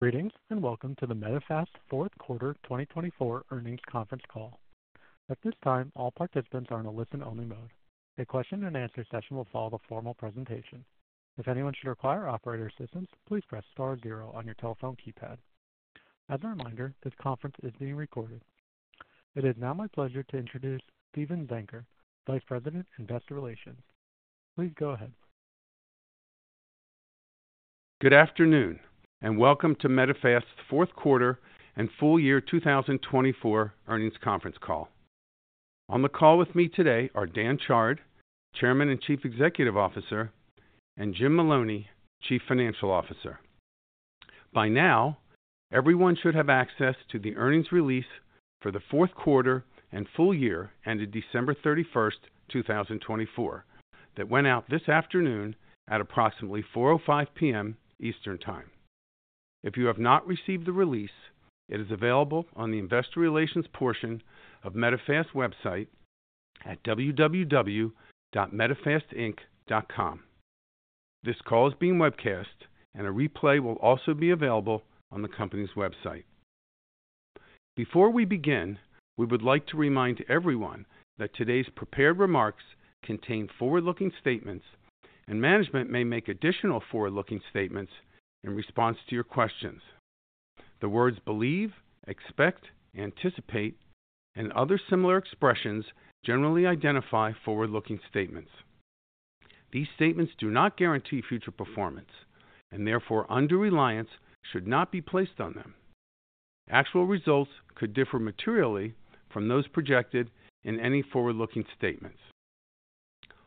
Greetings and welcome to the Medifast Fourth Quarter 2024 Earnings Conference Call. At this time, all participants are in a listen-only mode. A Q&A session will follow the formal presentation. If anyone should require operator assistance, please press *0 on your telephone keypad. As a reminder, this conference is being recorded. It is now my pleasure to introduce Steven Zenker, Vice President, Investor Relations. Please go ahead. Good afternoon and welcome to Medifast's Fourth Quarter and Full Year 2024 Earnings Conference Call. On the call with me today are Dan Chard, Chairman and Chief Executive Officer, and Jim Maloney, Chief Financial Officer. By now, everyone should have access to the earnings release for the fourth quarter and full year ended December 31, 2024, that went out this afternoon at approximately 4:05 P.M. Eastern Time. If you have not received the release, it is available on the Investor Relations portion of Medifast's website at www.medifastinc.com. This call is being webcast, and a replay will also be available on the company's website. Before we begin, we would like to remind everyone that today's prepared remarks contain forward-looking statements, and management may make additional forward-looking statements in response to your questions. The words believe, expect, anticipate, and other similar expressions generally identify forward-looking statements. These statements do not guarantee future performance, and therefore undue reliance should not be placed on them. Actual results could differ materially from those projected in any forward-looking statements.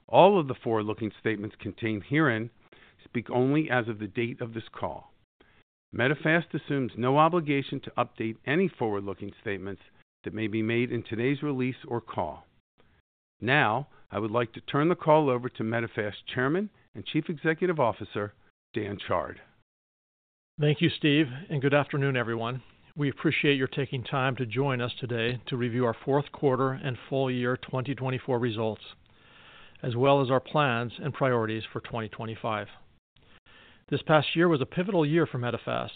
All of the forward-looking statements contained herein speak only as of the date of this call. Medifast assumes no obligation to update any forward-looking statements that may be made in today's release or call. Now, I would like to turn the call over to Medifast Chairman and Chief Executive Officer, Dan Chard. Thank you, Steve, and good afternoon, everyone. We appreciate your taking time to join us today to review our fourth quarter and full year 2024 results, as well as our plans and priorities for 2025. This past year was a pivotal year for Medifast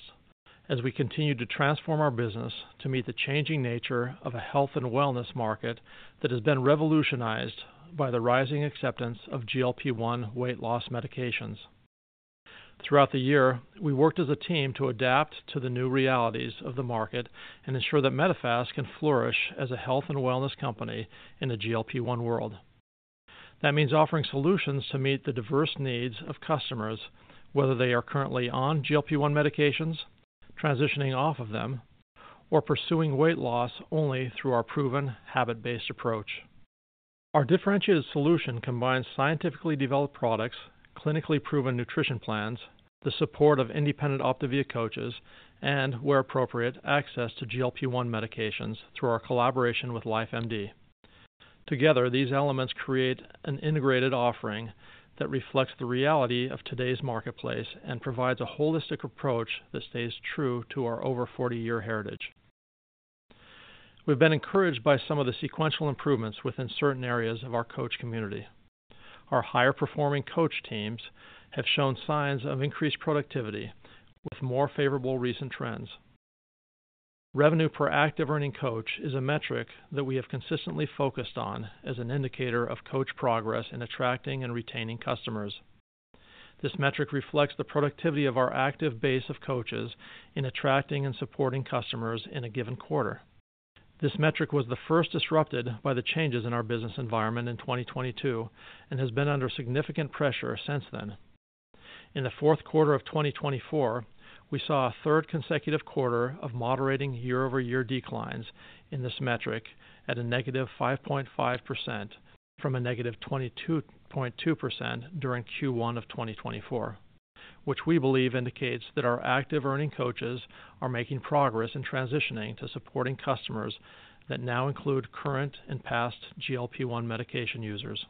as we continued to transform our business to meet the changing nature of a health and wellness market that has been revolutionized by the rising acceptance of GLP-1 weight loss medications. Throughout the year, we worked as a team to adapt to the new realities of the market and ensure that Medifast can flourish as a health and wellness company in a GLP-1 world. That means offering solutions to meet the diverse needs of customers, whether they are currently on GLP-1 medications, transitioning off of them, or pursuing weight loss only through our proven habit-based approach. Our differentiated solution combines scientifically developed products, clinically proven nutrition plans, the support of independent OPTAVIA coaches, and, where appropriate, access to GLP-1 medications through our collaboration with LifeMD. Together, these elements create an integrated offering that reflects the reality of today's marketplace and provides a holistic approach that stays true to our over 40-year heritage. We've been encouraged by some of the sequential improvements within certain areas of our coach community. Our higher-performing coach teams have shown signs of increased productivity with more favorable recent trends. Revenue per active earning coach is a metric that we have consistently focused on as an indicator of coach progress in attracting and retaining customers. This metric reflects the productivity of our active base of coaches in attracting and supporting customers in a given quarter. This metric was the first disrupted by the changes in our business environment in 2022 and has been under significant pressure since then. In the fourth quarter of 2024, we saw a third consecutive quarter of moderating year-over-year declines in this metric at a - 5.5% from a - 22.2% during Q1 of 2024, which we believe indicates that our active earning coaches are making progress in transitioning to supporting customers that now include current and past GLP-1 medication users.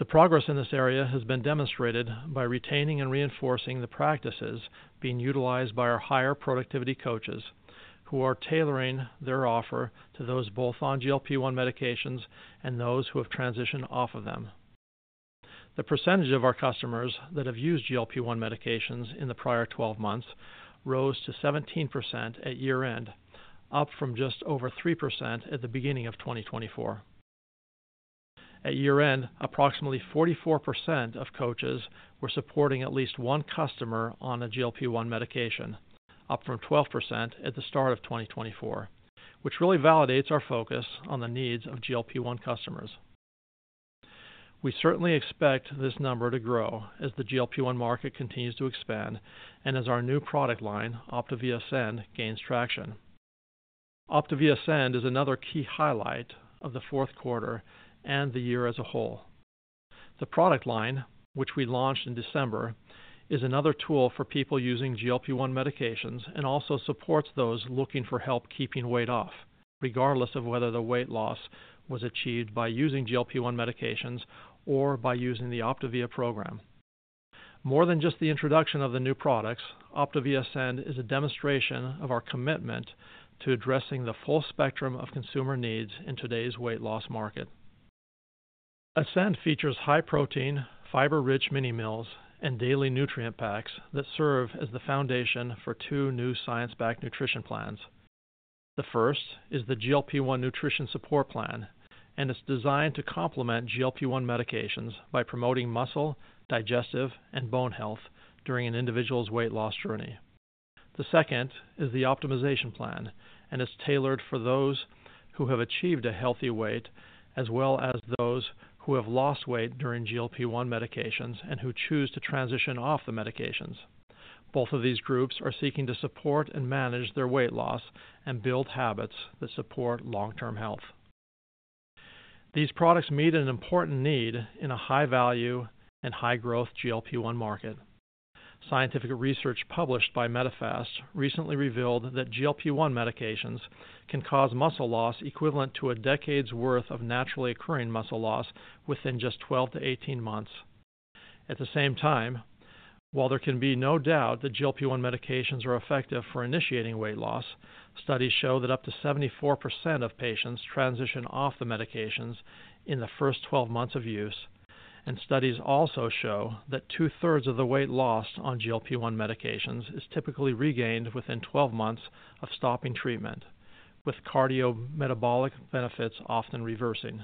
The progress in this area has been demonstrated by retaining and reinforcing the practices being utilized by our higher productivity coaches, who are tailoring their offer to those both on GLP-1 medications and those who have transitioned off of them. The percentage of our customers that have used GLP-1 medications in the prior 12 months rose to 17% at year-end, up from just over 3% at the beginning of 2024. At year-end, approximately 44% of coaches were supporting at least one customer on a GLP-1 medication, up from 12% at the start of 2024, which really validates our focus on the needs of GLP-1 customers. We certainly expect this number to grow as the GLP-1 market continues to expand and as our new product line, OPTAVIA ASCEND, gains traction. OPTAVIA ASCEND is another key highlight of the fourth quarter and the year as a whole. The product line, which we launched in December, is another tool for people using GLP-1 medications and also supports those looking for help keeping weight off, regardless of whether the weight loss was achieved by using GLP-1 medications or by using the OPTAVIA program. More than just the introduction of the new products, OPTAVIA ASCEND is a demonstration of our commitment to addressing the full spectrum of consumer needs in today's weight loss market. ASCEND features high-protein, fiber-rich mini meals and daily nutrient packs that serve as the foundation for two new science-backed nutrition plans. The first is the GLP-1 Nutrition Support Plan, and it's designed to complement GLP-1 medications by promoting muscle, digestive, and bone health during an individual's weight loss journey. The second is the Optimization Plan, and it's tailored for those who have achieved a healthy weight as well as those who have lost weight during GLP-1 medications and who choose to transition off the medications. Both of these groups are seeking to support and manage their weight loss and build habits that support long-term health. These products meet an important need in a high-value and high-growth GLP-1 market. Scientific research published by Medifast recently revealed that GLP-1 medications can cause muscle loss equivalent to a decade's worth of naturally occurring muscle loss within just 12 to 18 months. At the same time, while there can be no doubt that GLP-1 medications are effective for initiating weight loss, studies show that up to 74% of patients transition off the medications in the first 12 months of use, and studies also show that two-thirds of the weight lost on GLP-1 medications is typically regained within 12 months of stopping treatment, with cardiometabolic benefits often reversing.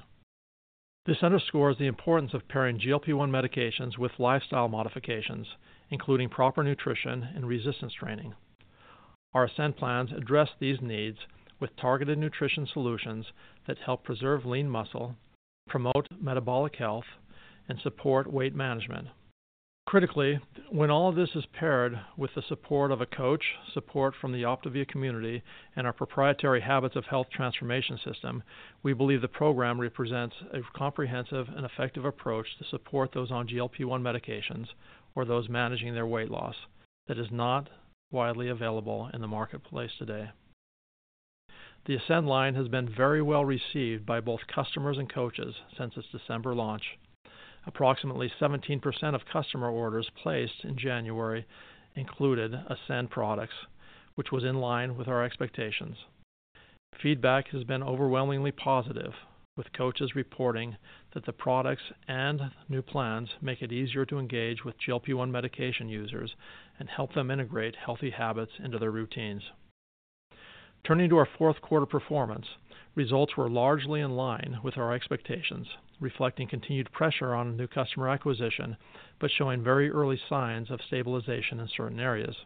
This underscores the importance of pairing GLP-1 medications with lifestyle modifications, including proper nutrition and resistance training. Our ASCEND plans address these needs with targeted nutrition solutions that help preserve lean muscle, promote metabolic health, and support weight management. Critically, when all of this is paired with the support of a coach, support from the OPTAVIA community, and our proprietary Habits of Health Transformation System, we believe the program represents a comprehensive and effective approach to support those on GLP-1 medications or those managing their weight loss that is not widely available in the marketplace today. The ASCEND line has been very well received by both customers and coaches since its December launch. Approximately 17% of customer orders placed in January included ASCEND products, which was in line with our expectations. Feedback has been overwhelmingly positive, with coaches reporting that the products and new plans make it easier to engage with GLP-1 medication users and help them integrate healthy habits into their routines. Turning to our fourth quarter performance, results were largely in line with our expectations, reflecting continued pressure on new customer acquisition but showing very early signs of stabilization in certain areas.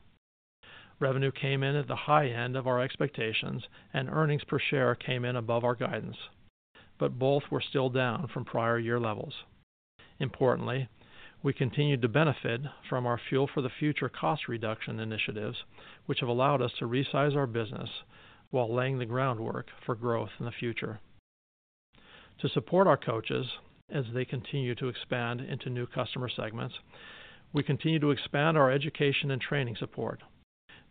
Revenue came in at the high end of our expectations, and earnings per share came in above our guidance, but both were still down from prior year levels. Importantly, we continued to benefit from our Fuel for the Future cost reduction initiatives, which have allowed us to resize our business while laying the groundwork for growth in the future. To support our coaches as they continue to expand into new customer segments, we continue to expand our education and training support.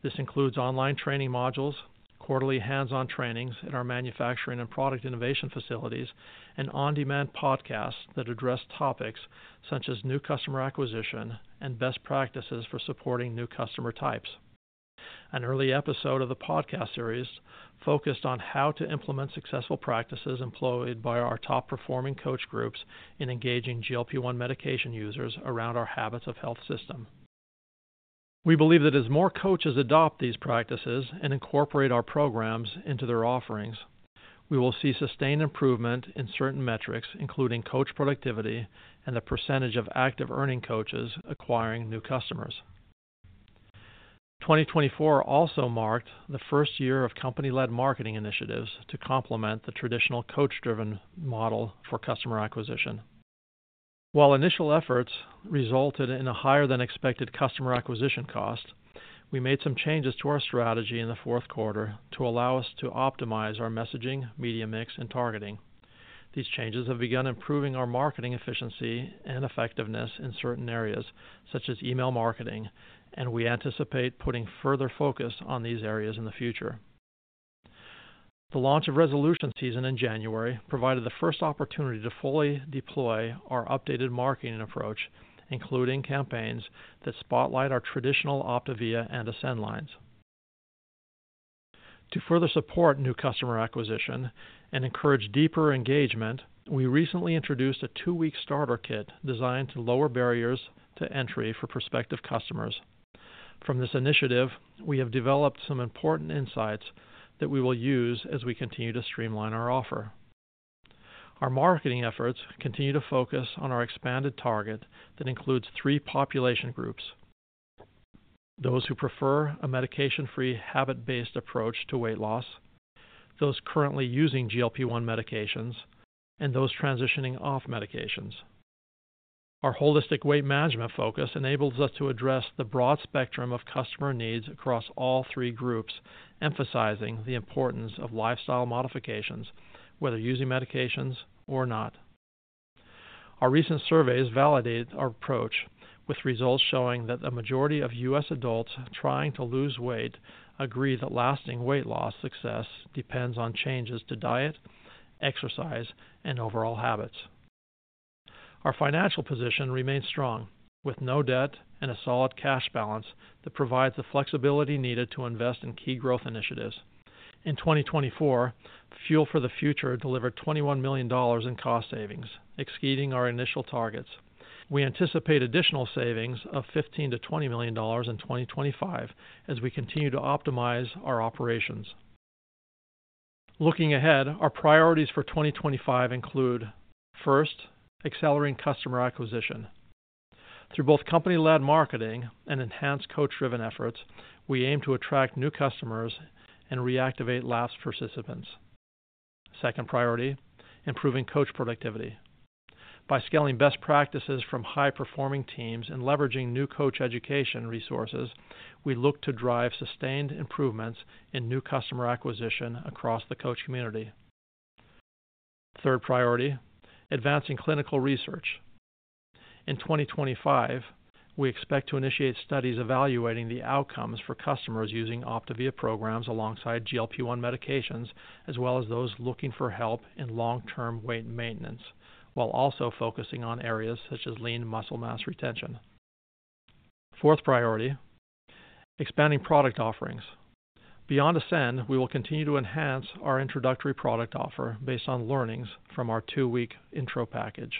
This includes online training modules, quarterly hands-on trainings at our manufacturing and product innovation facilities, and on-demand podcasts that address topics such as new customer acquisition and best practices for supporting new customer types. An early episode of the podcast series focused on how to implement successful practices employed by our top-performing coach groups in engaging GLP-1 medication users around our Habits of Health system. We believe that as more coaches adopt these practices and incorporate our programs into their offerings, we will see sustained improvement in certain metrics, including coach productivity and the percentage of active earning coaches acquiring new customers. 2024 also marked the first year of company-led marketing initiatives to complement the traditional coach-driven model for customer acquisition. While initial efforts resulted in a higher-than-expected customer acquisition cost, we made some changes to our strategy in the fourth quarter to allow us to optimize our messaging, media mix, and targeting. These changes have begun improving our marketing efficiency and effectiveness in certain areas, such as email marketing, and we anticipate putting further focus on these areas in the future. The launch of Resolution Season in January provided the first opportunity to fully deploy our updated marketing approach, including campaigns that spotlight our traditional OPTAVIA and ASCEND lines. To further support new customer acquisition and encourage deeper engagement, we recently introduced a two-week starter kit designed to lower barriers to entry for prospective customers. From this initiative, we have developed some important insights that we will use as we continue to streamline our offer. Our marketing efforts continue to focus on our expanded target that includes three population groups: those who prefer a medication-free, habit-based approach to weight loss, those currently using GLP-1 medications, and those transitioning off medications. Our holistic weight management focus enables us to address the broad spectrum of customer needs across all three groups, emphasizing the importance of lifestyle modifications, whether using medications or not. Our recent surveys validated our approach, with results showing that the majority of U.S. adults trying to lose weight agree that lasting weight loss success depends on changes to diet, exercise, and overall habits. Our financial position remains strong, with no debt and a solid cash balance that provides the flexibility needed to invest in key growth initiatives. In 2024, Fuel for the Future delivered $21 million in cost savings, exceeding our initial targets. We anticipate additional savings of $15-20 million in 2025 as we continue to optimize our operations. Looking ahead, our priorities for 2025 include: first, accelerating customer acquisition. Through both company-led marketing and enhanced coach-driven efforts, we aim to attract new customers and reactivate lapsed participants. Second priority, improving coach productivity. By scaling best practices from high-performing teams and leveraging new coach education resources, we look to drive sustained improvements in new customer acquisition across the coach community. Third priority, advancing clinical research. In 2025, we expect to initiate studies evaluating the outcomes for customers using OPTAVIA programs alongside GLP-1 medications, as well as those looking for help in long-term weight maintenance, while also focusing on areas such as lean muscle mass retention. Fourth priority, expanding product offerings. Beyond ASCEND, we will continue to enhance our introductory product offer based on learnings from our two-week starter kit.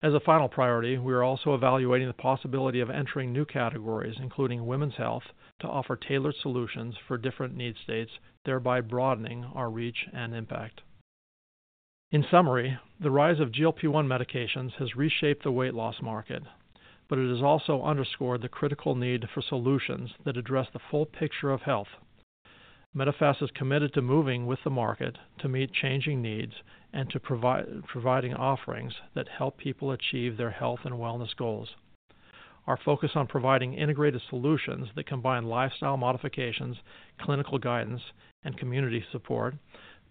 As a final priority, we are also evaluating the possibility of entering new categories, including women's health, to offer tailored solutions for different need states, thereby broadening our reach and impact. In summary, the rise of GLP-1 medications has reshaped the weight loss market, but it has also underscored the critical need for solutions that address the full picture of health. Medifast is committed to moving with the market to meet changing needs and to provide offerings that help people achieve their health and wellness goals. Our focus on providing integrated solutions that combine lifestyle modifications, clinical guidance, and community support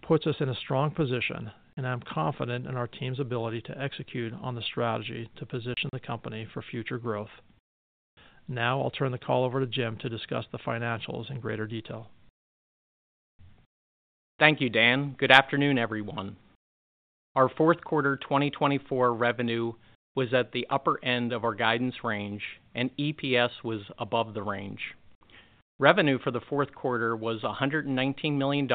puts us in a strong position, and I'm confident in our team's ability to execute on the strategy to position the company for future growth. Now I'll turn the call over to Jim to discuss the financials in greater detail. Thank you, Dan. Good afternoon, everyone. Our fourth quarter 2024 revenue was at the upper end of our guidance range, and EPS was above the range. Revenue for the fourth quarter was $119 million,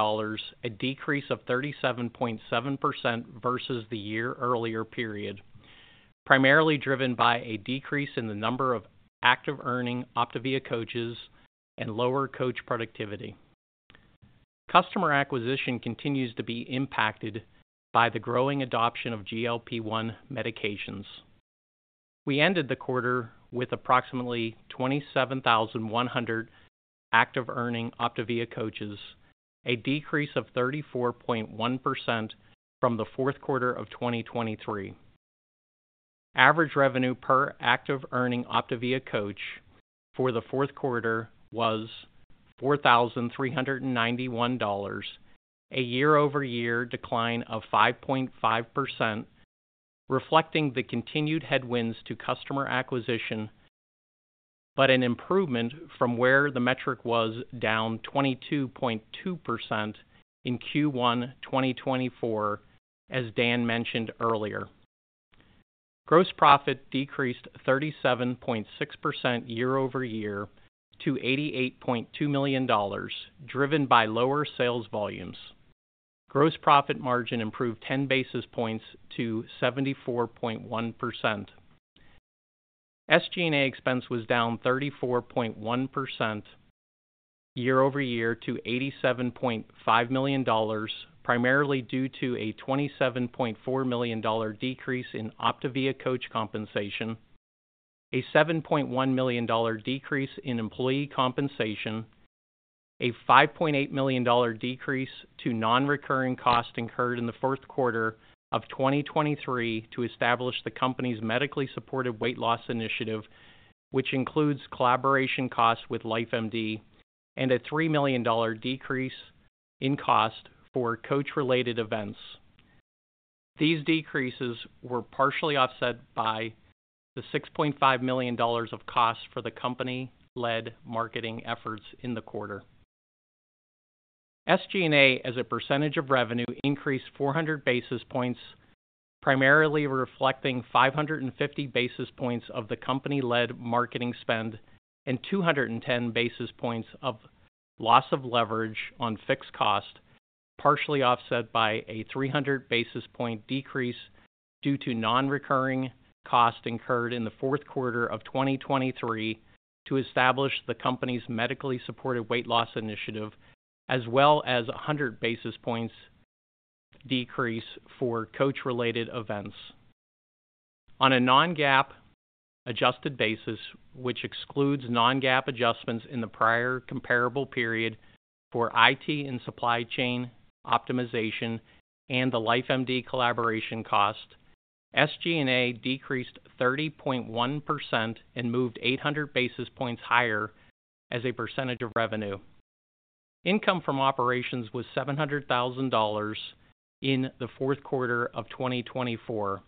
a decrease of 37.7% versus the year earlier period, primarily driven by a decrease in the number of active earning OPTAVIA coaches and lower coach productivity. Customer acquisition continues to be impacted by the growing adoption of GLP-1 medications. We ended the quarter with approximately 27,100 active earning OPTAVIA coaches, a decrease of 34.1% from the fourth quarter of 2023. Average revenue per active earning OPTAVIA coach for the fourth quarter was $4,391, a year-over-year decline of 5.5%, reflecting the continued headwinds to customer acquisition, but an improvement from where the metric was down 22.2% in Q1 2024, as Dan mentioned earlier. Gross profit decreased 37.6% year-over-year to $88.2 million, driven by lower sales volumes. Gross profit margin improved 10 basis points to 74.1%. SG&A expense was down 34.1% year-over-year to $87.5 million, primarily due to a $27.4 million decrease in OPTAVIA coach compensation, a $7.1 million decrease in employee compensation, a $5.8 million decrease to non-recurring costs incurred in the fourth quarter of 2023 to establish the company's Medically Supported Weight Loss Initiative, which includes collaboration costs with LifeMD, and a $3 million decrease in cost for coach-related events. These decreases were partially offset by the $6.5 million of costs for the company-led marketing efforts in the quarter. SG&A, as a percentage of revenue, increased 400 basis points, primarily reflecting 550 basis points of the company-led marketing spend and 210 basis points of loss of leverage on fixed cost, partially offset by a 300 basis point decrease due to non-recurring costs incurred in the fourth quarter of 2023 to establish the company's Medically Supported Weight Loss Initiative, as well as a 100 basis point decrease for coach-related events. On a non-GAAP adjusted basis, which excludes non-GAAP adjustments in the prior comparable period for IT and supply chain optimization and the LifeMD collaboration cost, SG&A decreased 30.1% and moved 800 basis points higher as a percentage of revenue. Income from operations was $700,000 in the fourth quarter of 2024,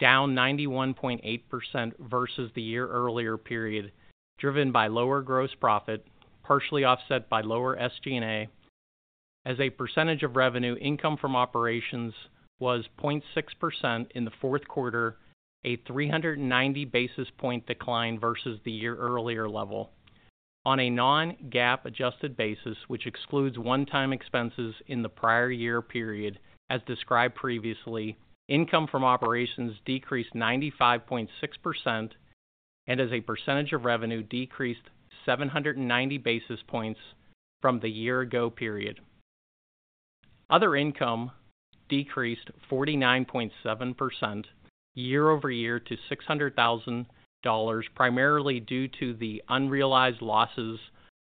down 91.8% versus the year earlier period, driven by lower gross profit, partially offset by lower SG&A. As a percentage of revenue, income from operations was 0.6% in the fourth quarter, a 390 basis point decline versus the year earlier level. On a non-GAAP adjusted basis, which excludes one-time expenses in the prior year period, as described previously, income from operations decreased 95.6%, and as a percentage of revenue, decreased 790 basis points from the year-ago period. Other income decreased 49.7% year-over-year to $600,000, primarily due to the unrealized losses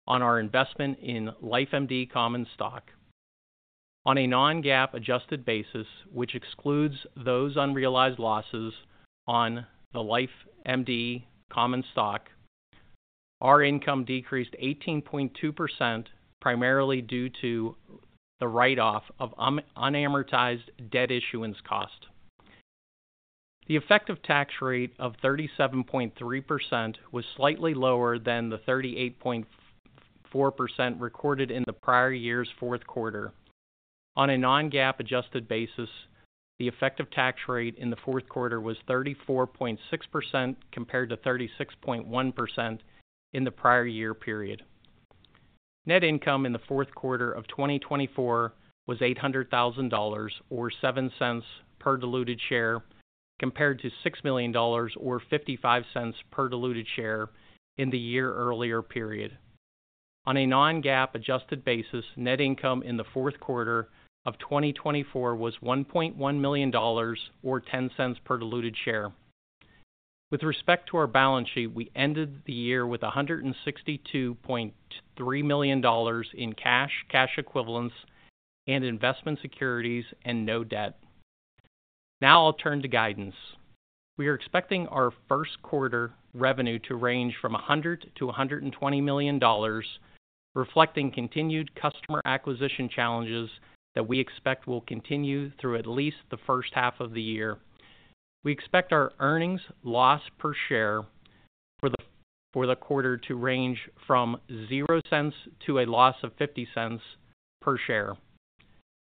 on our investment in LifeMD common stock. On a non-GAAP adjusted basis, which excludes those unrealized losses on the LifeMD common stock, our income decreased 18.2%, primarily due to the write-off of unamortized debt issuance cost. The effective tax rate of 37.3% was slightly lower than the 38.4% recorded in the prior year's fourth quarter. On a non-GAAP adjusted basis, the effective tax rate in the fourth quarter was 34.6% compared to 36.1% in the prior year period. Net income in the fourth quarter of 2024 was $800,000 or $0.07 per diluted share, compared to $6 million or $0.55 per diluted share in the year earlier period. On a non-GAAP adjusted basis, net income in the fourth quarter of 2024 was $1.1 million or $0.10 per diluted share. With respect to our balance sheet, we ended the year with $162.3 million in cash, cash equivalents, and investment securities, and no debt. Now I'll turn to guidance. We are expecting our first quarter revenue to range from $100 million-$120 million, reflecting continued customer acquisition challenges that we expect will continue through at least the first half of the year. We expect our earnings loss per share for the quarter to range from $0 to a loss of $0.50 per share.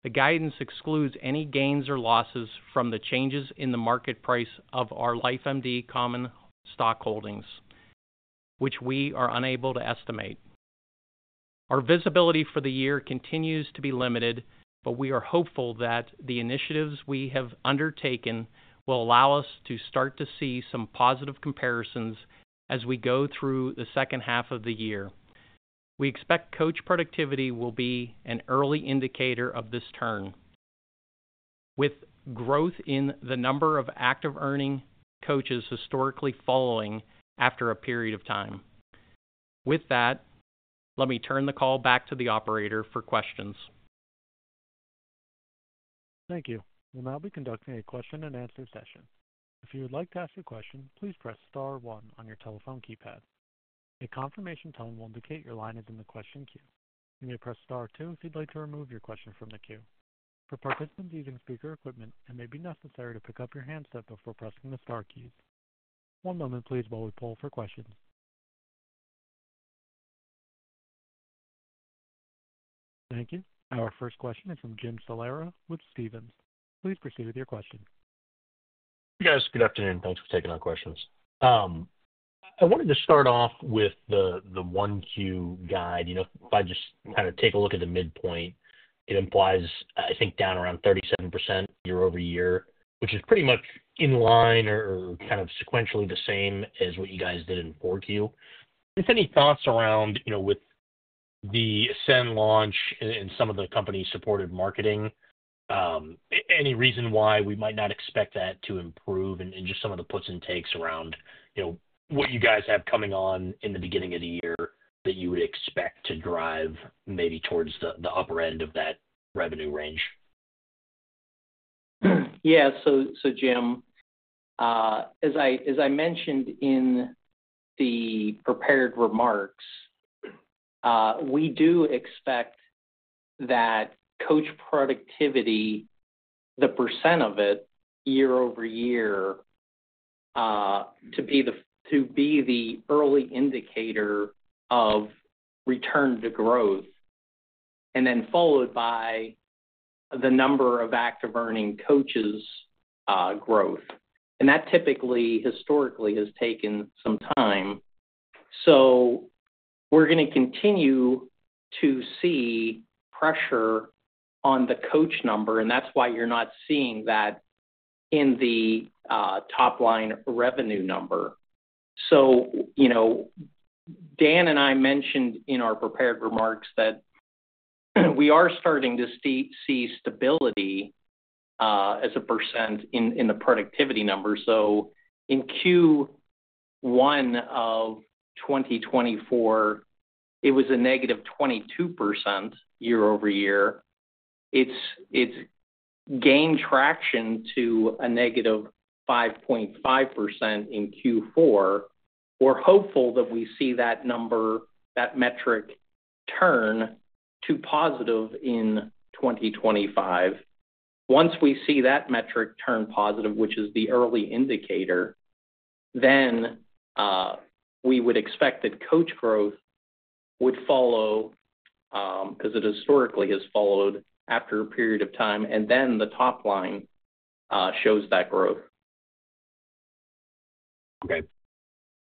The guidance excludes any gains or losses from the changes in the market price of our LifeMD common stock holdings, which we are unable to estimate. Our visibility for the year continues to be limited, but we are hopeful that the initiatives we have undertaken will allow us to start to see some positive comparisons as we go through the second half of the year. We expect coach productivity will be an early indicator of this turn, with growth in the number of active earning coaches historically following after a period of time. With that, let me turn the call back to the operator for questions. Thank you. We'll now be conducting a Q&A session. If you would like to ask a question, please press *1 on your telephone keypad. A confirmation tone will indicate your line is in the question queue. You may press *2 if you'd like to remove your question from the queue. For participants using speaker equipment, it may be necessary to pick up your handset before pressing the * keys. One moment, please, while we pull for questions. Thank you. Our first question is from Jim Salera with Stephens. Please proceed with your question. Hey, guys. Good afternoon. Thanks for taking our questions. I wanted to start off with the 1Q guide. If I just kind of take a look at the midpoint, it implies, I think, down around 37% year-over-year, which is pretty much in line or kind of sequentially the same as what you guys did in 4Q. Just any thoughts around, with the ASCEND launch and some of the company-supported marketing, any reason why we might not expect that to improve, and just some of the puts and takes around what you guys have coming on in the beginning of the year that you would expect to drive maybe towards the upper end of that revenue range? Yeah. Jim, as I mentioned in the prepared remarks, we do expect that coach productivity, the percent of it year-over-year, to be the early indicator of return to growth, and then followed by the number of active earning coaches' growth. That typically, historically, has taken some time. We are going to continue to see pressure on the coach number, and that's why you're not seeing that in the top-line revenue number. Dan and I mentioned in our prepared remarks that we are starting to see stability as a percent in the productivity number. In Q1 of 2024, it was a - 22% year-over-year. It has gained traction to a - 5.5% in Q4. We are hopeful that we see that number, that metric, turn to positive in 2025. Once we see that metric turn positive, which is the early indicator, we would expect that coach growth would follow, as it historically has followed, after a period of time, and then the top-line shows that growth. Okay.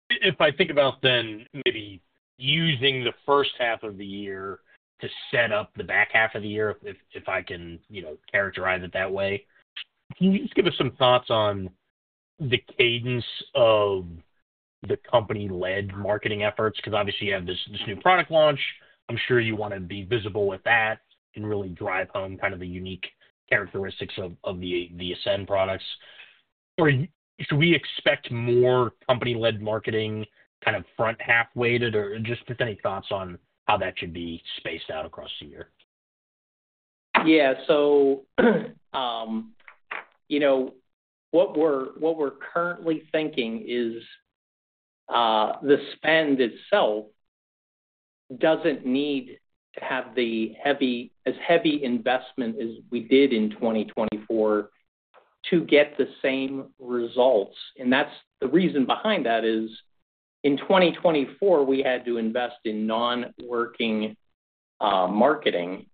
If I think about then maybe using the first half of the year to set up the back half of the year, if I can characterize it that way, can you just give us some thoughts on the cadence of the company-led marketing efforts? Because obviously, you have this new product launch. I'm sure you want to be visible with that and really drive home kind of the unique characteristics of the ASCEND products. Should we expect more company-led marketing kind of front-half-weighted? Any thoughts on how that should be spaced out across the year? Yeah. What we're currently thinking is the spend itself doesn't need to have as heavy investment as we did in 2024 to get the same results. The reason behind that is in 2024, we had to invest in non-working marketing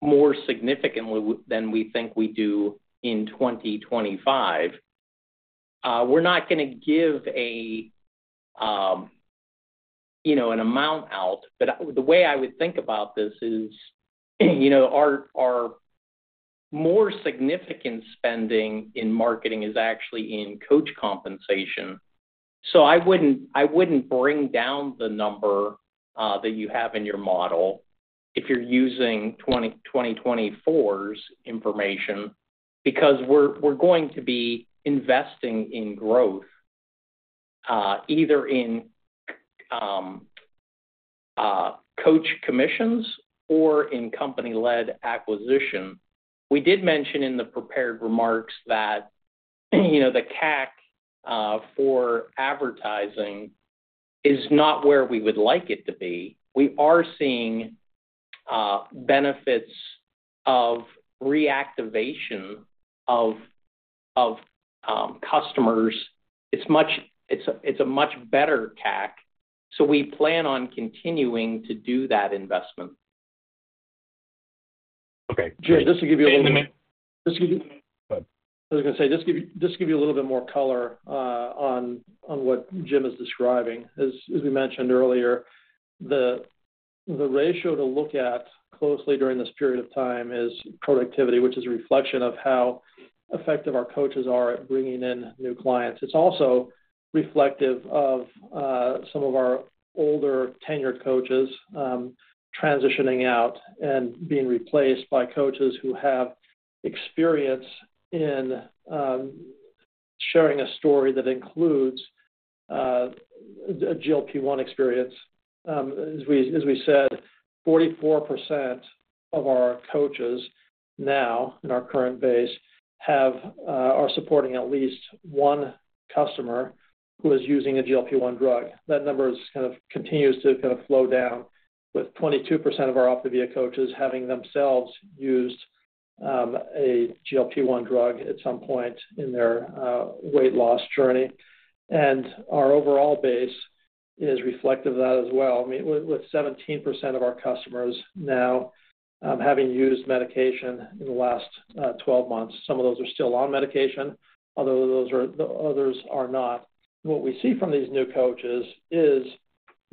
more significantly than we think we do in 2025. We're not going to give an amount out, but the way I would think about this is our more significant spending in marketing is actually in coach compensation. I would not bring down the number that you have in your model if you are using 2024's information because we are going to be investing in growth, either in coach commissions or in company-led acquisition. We did mention in the prepared remarks that the CAC for advertising is not where we would like it to be. We are seeing benefits of reactivation of customers. It is a much better CAC. We plan on continuing to do that investment. Okay. Jim, just to give you a little—go ahead. I was going to say, just to give you a little bit more color on what Jim is describing. As we mentioned earlier, the ratio to look at closely during this period of time is productivity, which is a reflection of how effective our coaches are at bringing in new clients. It's also reflective of some of our older tenured coaches transitioning out and being replaced by coaches who have experience in sharing a story that includes a GLP-1 experience. As we said, 44% of our coaches now, in our current base, are supporting at least one customer who is using a GLP-1 drug. That number kind of continues to kind of flow down, with 22% of our OPTAVIA coaches having themselves used a GLP-1 drug at some point in their weight loss journey. I mean, with 17% of our customers now having used medication in the last 12 months, some of those are still on medication, although others are not. What we see from these new coaches is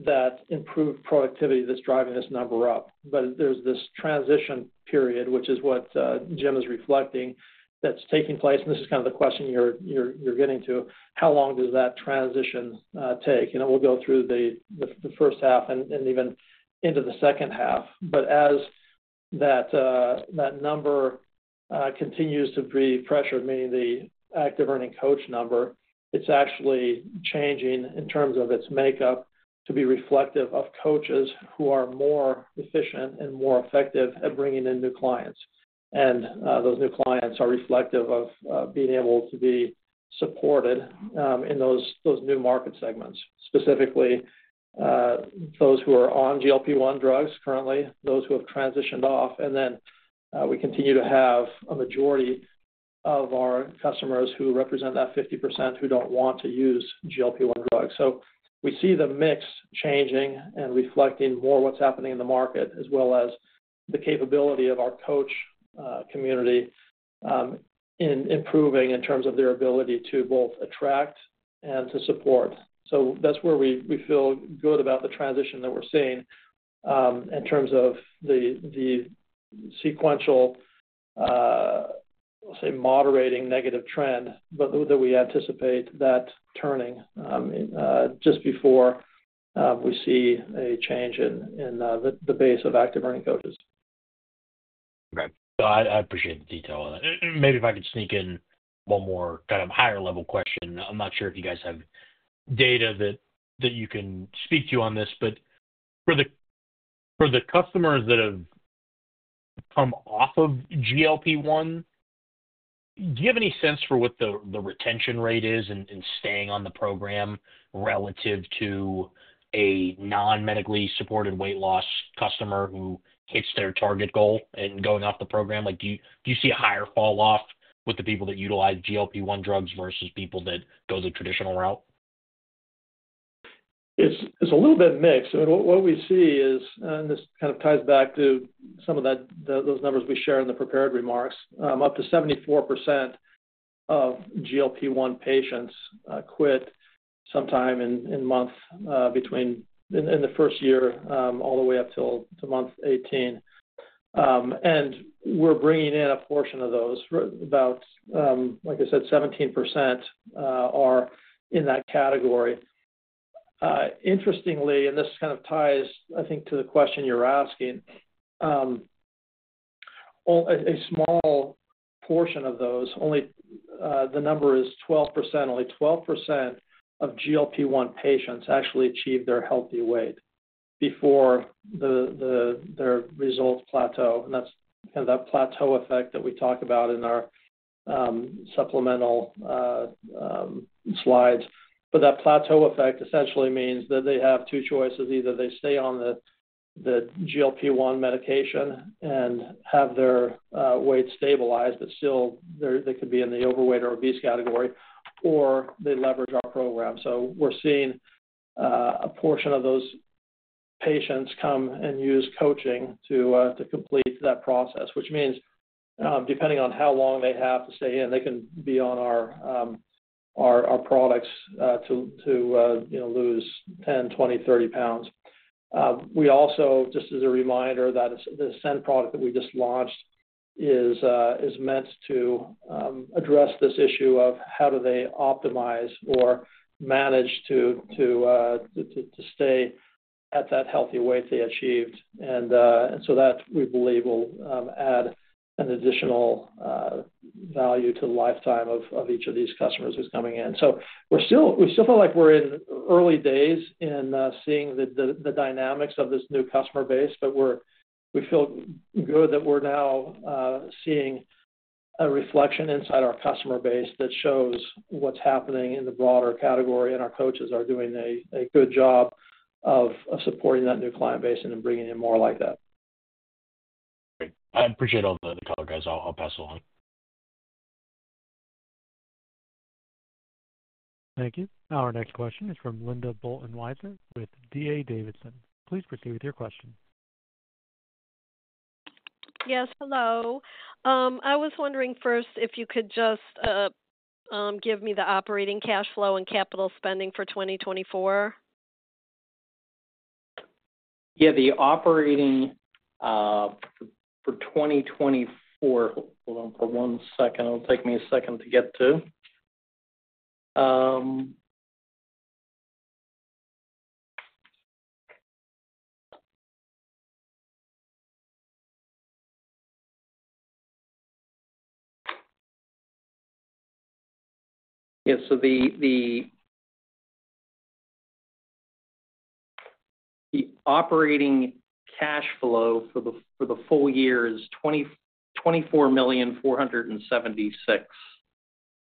that improved productivity that's driving this number up. There is this transition period, which is what Jim is reflecting, that's taking place. This is kind of the question you're getting to: how long does that transition take? It will go through the first half and even into the second half. As that number continues to be pressured, meaning the active earning coach number, it's actually changing in terms of its makeup to be reflective of coaches who are more efficient and more effective at bringing in new clients. Those new clients are reflective of being able to be supported in those new market segments, specifically those who are on GLP-1 drugs currently, those who have transitioned off. We continue to have a majority of our customers who represent that 50% who don't want to use GLP-1 drugs. We see the mix changing and reflecting more what's happening in the market, as well as the capability of our coach community in improving in terms of their ability to both attract and to support. That's where we feel good about the transition that we're seeing in terms of the sequential, I'll say, moderating negative trend, but we anticipate that turning just before we see a change in the base of active earning coaches. Okay. I appreciate the detail on that. Maybe if I could sneak in one more kind of higher-level question. I'm not sure if you guys have data that you can speak to on this. For the customers that have come off of GLP-1, do you have any sense for what the retention rate is in staying on the program relative to a non-medically supported weight loss customer who hits their target goal and going off the program? Do you see a higher falloff with the people that utilize GLP-1 drugs versus people that go the traditional route? It's a little bit mixed. I mean, what we see is, and this kind of ties back to some of those numbers we share in the prepared remarks, up to 74% of GLP-1 patients quit sometime in the first year all the way up till month 18. And we're bringing in a portion of those. About, like I said, 17% are in that category. Interestingly, and this kind of ties, I think, to the question you're asking, a small portion of those—the number is 12%—only 12% of GLP-1 patients actually achieve their healthy weight before their results plateau. That plateau effect that we talk about in our supplemental slides essentially means that they have two choices. Either they stay on the GLP-1 medication and have their weight stabilized, but still, they could be in the overweight or obese category, or they leverage our program. We are seeing a portion of those patients come and use coaching to complete that process, which means depending on how long they have to stay in, they can be on our products to lose 10, 20, 30 pounds. We also, just as a reminder, that the ASCEND product that we just launched is meant to address this issue of how do they optimize or manage to stay at that healthy weight they achieved. That, we believe, will add an additional value to the lifetime of each of these customers who's coming in. We still feel like we're in early days in seeing the dynamics of this new customer base, but we feel good that we're now seeing a reflection inside our customer base that shows what's happening in the broader category, and our coaches are doing a good job of supporting that new client base and bringing in more like that. Okay. I appreciate all the color, guys. I'll pass along. Thank you. Our next question is from Linda Bolton Weiser with D.A. Davidson. Please proceed with your question. Yes. Hello. I was wondering first if you could just give me the operating cash flow and capital spending for 2024? Yeah. The operating for 2024, hold on for one second. It'll take me a second to get to. Yeah. So the operating cash flow for the full year is $24.476 million.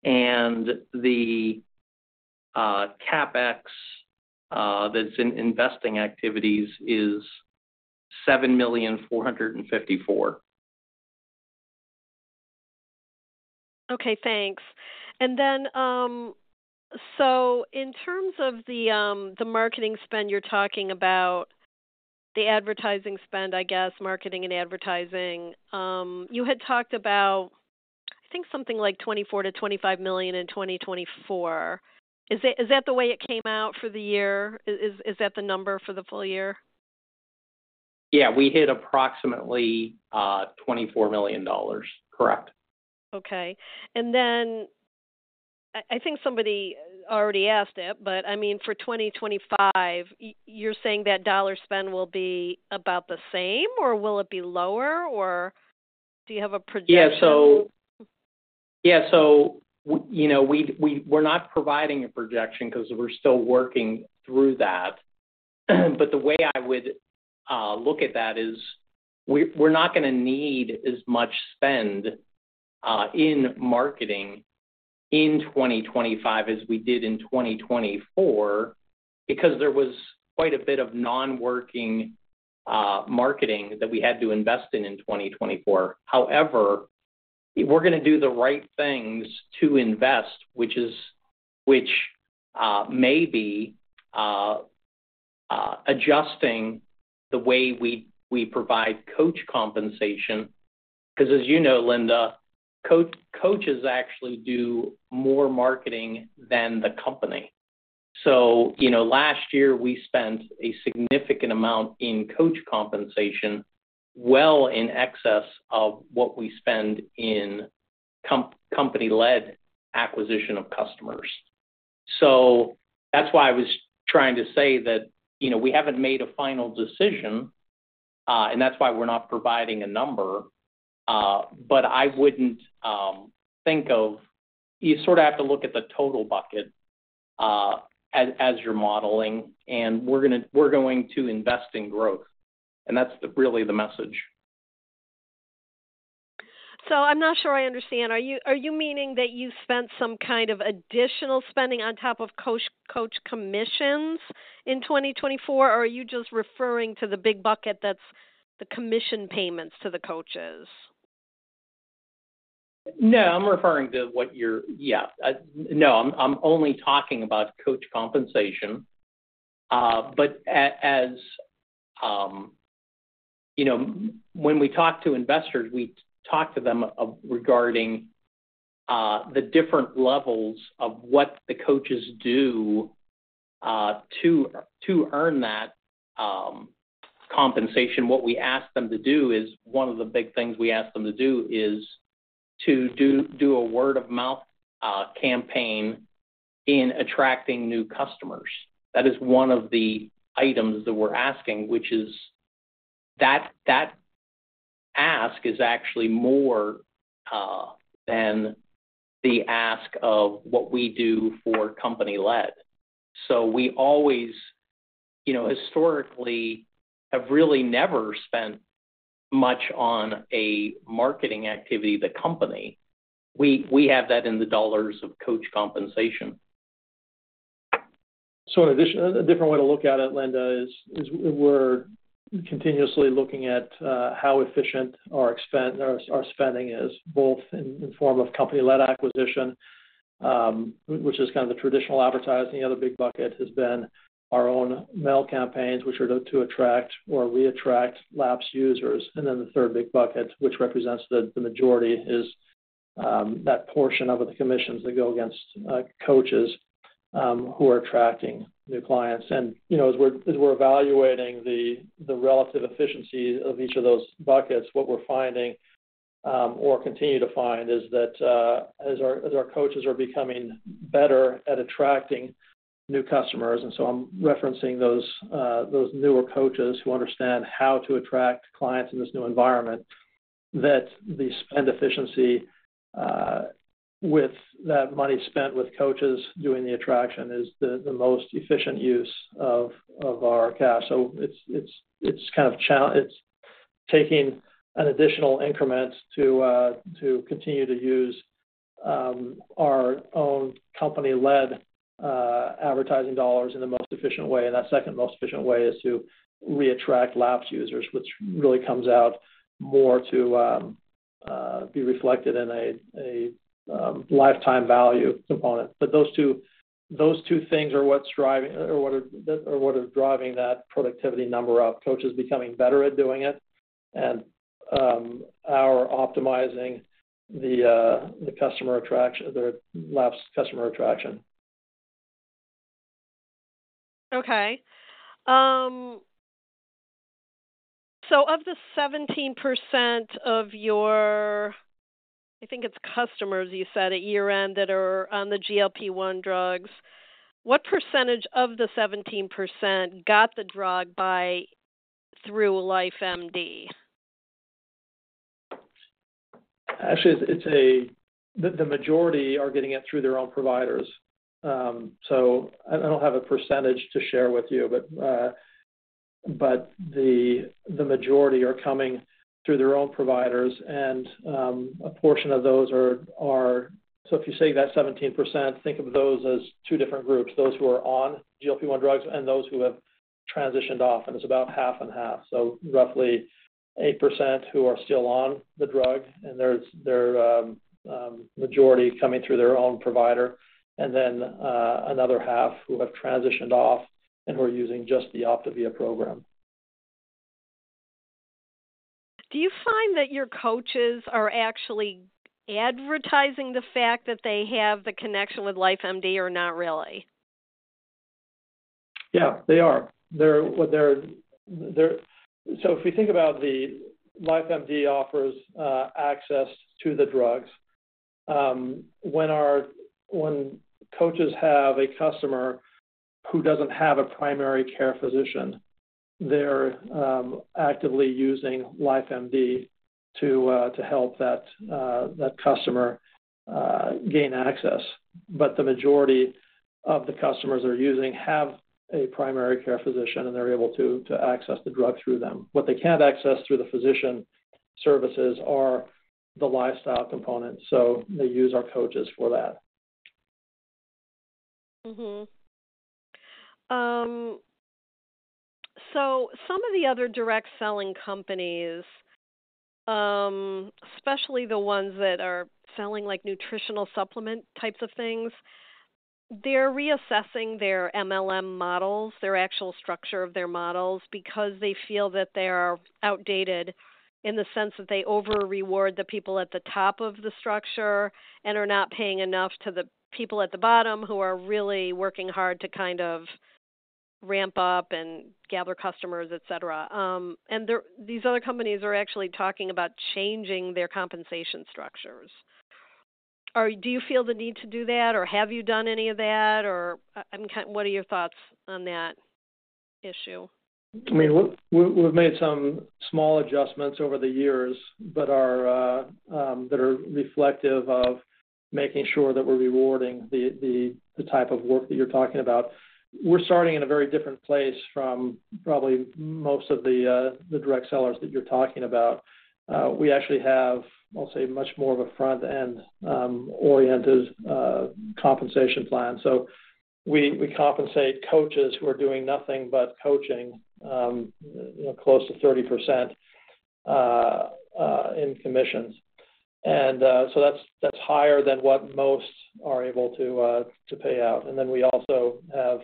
And the CapEx that's in investing activities is $7. 454 million. Okay. Thanks. In terms of the marketing spend, you're talking about the advertising spend, I guess, marketing and advertising. You had talked about, I think, something like $24 million-$25 million in 2024. Is that the way it came out for the year? Is that the number for the full year? Yeah. We hit approximately $24 million. Correct. Okay. I think somebody already asked it, but I mean, for 2025, you're saying that dollar spend will be about the same, or will it be lower, or do you have a projection? Yeah. We're not providing a projection because we're still working through that. The way I would look at that is we're not going to need as much spend in marketing in 2025 as we did in 2024 because there was quite a bit of non-working marketing that we had to invest in in 2024. However, we're going to do the right things to invest, which may be adjusting the way we provide coach compensation. Because as you know, Linda, coaches actually do more marketing than the company. Last year, we spent a significant amount in coach compensation, well in excess of what we spend in company-led acquisition of customers. That is why I was trying to say that we have not made a final decision, and that is why we are not providing a number. I would not think of you sort of have to look at the total bucket as you are modeling, and we are going to invest in growth. That is really the message. I am not sure I understand. Are you meaning that you spent some kind of additional spending on top of coach commissions in 2024, or are you just referring to the big bucket that is the commission payments to the coaches? No. I am referring to what you are—yeah. No, I am only talking about coach compensation. When we talk to investors, we talk to them regarding the different levels of what the coaches do to earn that compensation. What we ask them to do is one of the big things we ask them to do is to do a word-of-mouth campaign in attracting new customers. That is one of the items that we're asking, which is that ask is actually more than the ask of what we do for company-led. We always, historically, have really never spent much on a marketing activity of the company. We have that in the dollars of coach compensation. A different way to look at it, Linda, is we're continuously looking at how efficient our spending is, both in the form of company-led acquisition, which is kind of the traditional advertising. The other big bucket has been our own mail campaigns, which are to attract or reattract lapsed users. The third big bucket, which represents the majority, is that portion of the commissions that go against coaches who are attracting new clients. As we're evaluating the relative efficiency of each of those buckets, what we're finding, or continue to find, is that as our coaches are becoming better at attracting new customers—and so I'm referencing those newer coaches who understand how to attract clients in this new environment—that the spend efficiency with that money spent with coaches doing the attraction is the most efficient use of our cash. It is kind of taking an additional increment to continue to use our own company-led advertising dollars in the most efficient way. The second most efficient way is to reattract lapsed users, which really comes out more to be reflected in a lifetime value component. Those two things are what are driving that productivity number up. Coaches becoming better at doing it and are optimizing the lapsed customer attraction. Okay. Of the 17% of your—I think it's customers, you said, at year-end that are on the GLP-1 drugs, what percentage of the 17% got the drug through LifeMD? Actually, the majority are getting it through their own providers. I don't have a percentage to share with you, but the majority are coming through their own providers. A portion of those are—if you say that 17%, think of those as two different groups: those who are on GLP-1 drugs and those who have transitioned off. It's about half and half. Roughly 8% who are still on the drug, and their majority coming through their own provider. Another half who have transitioned off and who are using just the OPTAVIA program. Do you find that your coaches are actually advertising the fact that they have the connection with LifeMD or not really? Yeah. They are. If we think about the LifeMD offers access to the drugs, when coaches have a customer who does not have a primary care physician, they are actively using LifeMD to help that customer gain access. The majority of the customers they are using have a primary care physician, and they are able to access the drug through them. What they cannot access through the physician services are the lifestyle components. They use our coaches for that. Some of the other direct-selling companies, especially the ones that are selling nutritional supplement types of things, they're reassessing their MLM models, their actual structure of their models, because they feel that they are outdated in the sense that they over-reward the people at the top of the structure and are not paying enough to the people at the bottom who are really working hard to kind of ramp up and gather customers, etc. These other companies are actually talking about changing their compensation structures. Do you feel the need to do that, or have you done any of that, or what are your thoughts on that issue? I mean, we've made some small adjustments over the years that are reflective of making sure that we're rewarding the type of work that you're talking about. We're starting in a very different place from probably most of the direct sellers that you're talking about. We actually have, I'll say, much more of a front-end-oriented compensation plan. We compensate coaches who are doing nothing but coaching close to 30% in commissions. That's higher than what most are able to pay out. We also have,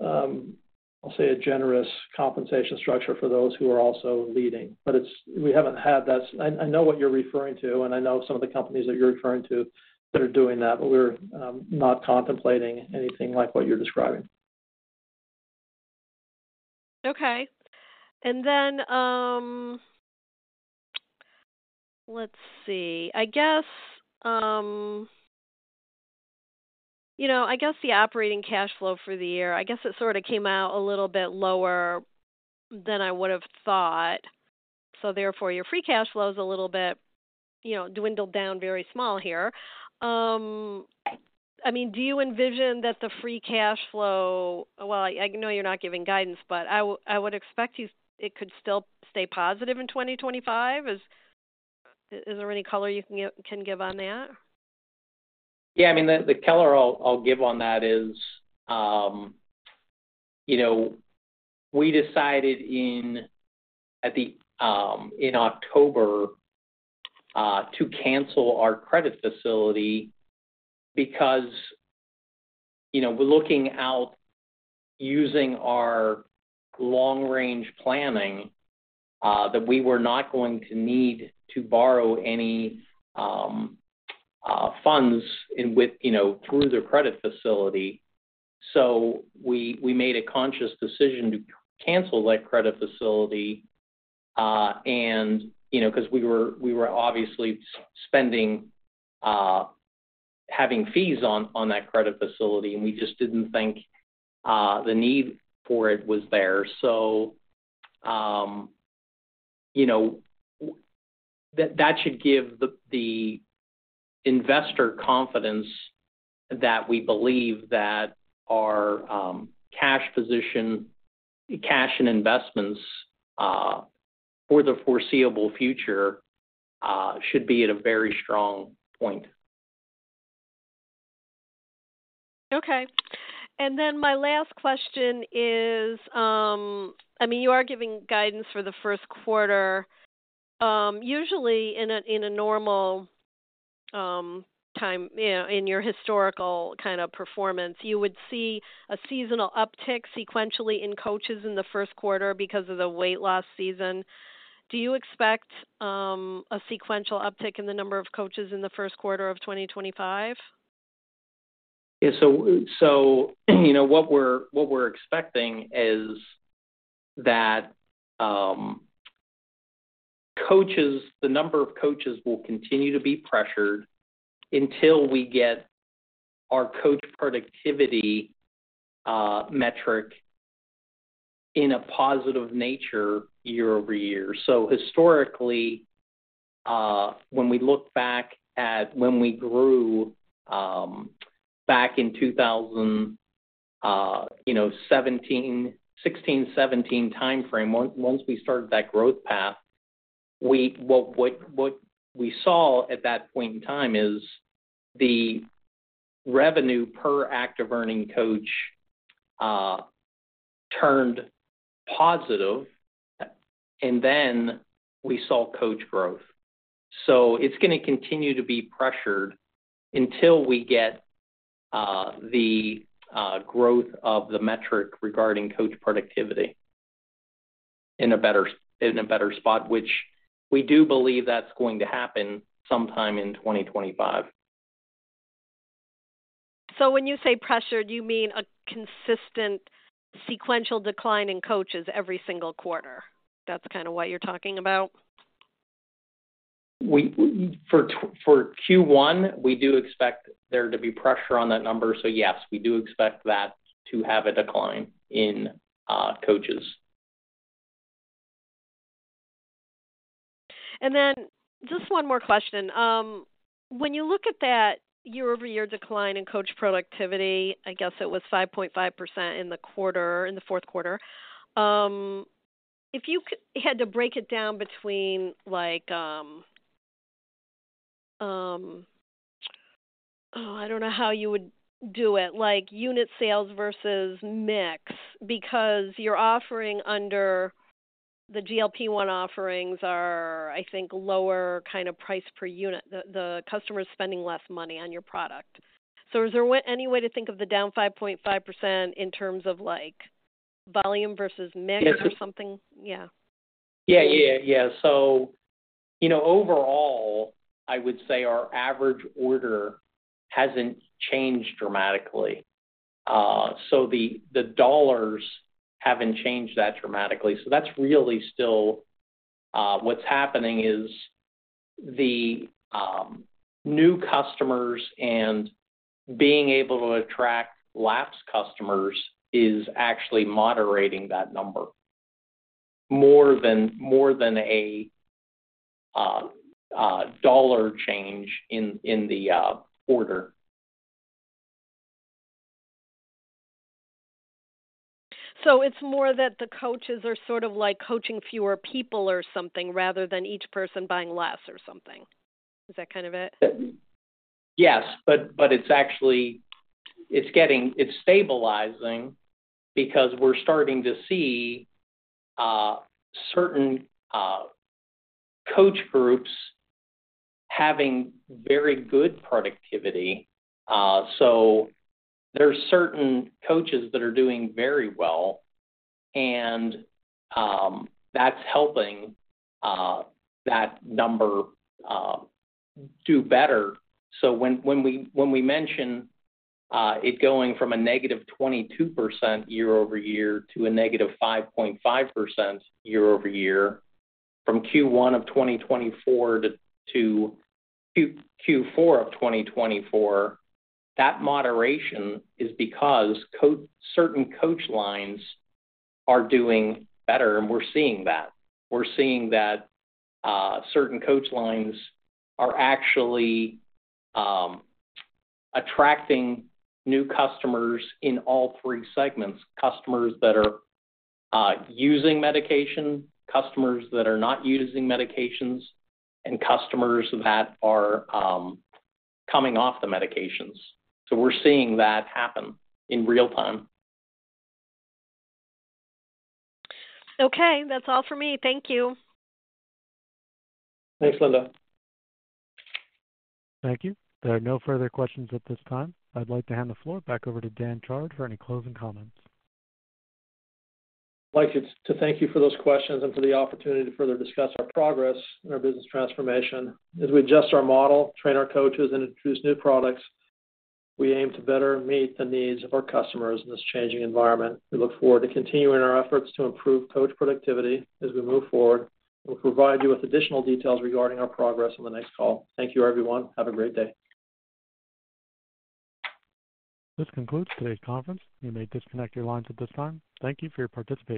I'll say, a generous compensation structure for those who are also leading. We haven't had that. I know what you're referring to, and I know some of the companies that you're referring to that are doing that, but we're not contemplating anything like what you're describing. Okay. Let's see. I guess the operating cash flow for the year, I guess it sort of came out a little bit lower than I would have thought. Therefore, your free cash flow is a little bit dwindled down very small here. I mean, do you envision that the free cash flow—well, I know you're not giving guidance, but I would expect it could still stay positive in 2025. Is there any color you can give on that? Yeah. I mean, the color I'll give on that is we decided in October to cancel our credit facility because we're looking out using our long-range planning that we were not going to need to borrow any funds through the credit facility. We made a conscious decision to cancel that credit facility because we were obviously having fees on that credit facility, and we just didn't think the need for it was there. That should give the investor confidence that we believe that our cash and investments for the foreseeable future should be at a very strong point. Okay. My last question is, I mean, you are giving guidance for the first quarter. Usually, in a normal time in your historical kind of performance, you would see a seasonal uptick sequentially in coaches in the first quarter because of the weight loss season. Do you expect a sequential uptick in the number of coaches in the first quarter of 2025? Yeah. What we're expecting is that the number of coaches will continue to be pressured until we get our coach productivity metric in a positive nature year over year. Historically, when we look back at when we grew back in 2016, 2017 timeframe, once we started that growth path, what we saw at that point in time is the revenue per active earning coach turned positive, and then we saw coach growth. It is going to continue to be pressured until we get the growth of the metric regarding coach productivity in a better spot, which we do believe is going to happen sometime in 2025. When you say pressured, you mean a consistent sequential decline in coaches every single quarter. That is kind of what you are talking about? For Q1, we do expect there to be pressure on that number. Yes, we do expect that to have a decline in coaches. Just one more question. When you look at that year-over-year decline in coach productivity, I guess it was 5.5% in the fourth quarter. If you had to break it down between, oh, I don't know how you would do it, unit sales versus mix because you're offering under the GLP-1 offerings are, I think, lower kind of price per unit. The customer is spending less money on your product. Is there any way to think of the down 5.5% in terms of volume versus mix or something? Yeah. Yeah. Yeah. So overall, I would say our average order hasn't changed dramatically. The dollars haven't changed that dramatically. That's really still what's happening. The new customers and being able to attract lapse customers is actually moderating that number more than a dollar change in the order. It's more that the coaches are sort of coaching fewer people or something rather than each person buying less or something. Is that kind of it? Yes. It's stabilizing because we're starting to see certain coach groups having very good productivity. There are certain coaches that are doing very well, and that's helping that number do better. When we mention it going from a - 22% year over year to a - 5.5% year over year from Q1 of 2024 to Q4 of 2024, that moderation is because certain coach lines are doing better, and we're seeing that. We're seeing that certain coach lines are actually attracting new customers in all three segments: customers that are using medication, customers that are not using medications, and customers that are coming off the medications. We're seeing that happen in real time. Okay. That's all for me. Thank you. Thanks, Linda. Thank you. There are no further questions at this time. I'd like to hand the floor back over to Dan Chard for any closing comments. I'd like to thank you for those questions and for the opportunity to further discuss our progress in our business transformation. As we adjust our model, train our coaches, and introduce new products, we aim to better meet the needs of our customers in this changing environment. We look forward to continuing our efforts to improve coach productivity as we move forward. We'll provide you with additional details regarding our progress on the next call. Thank you, everyone. Have a great day. This concludes today's conference. You may disconnect your lines at this time. Thank you for your participation.